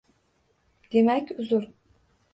Demak. Uzr.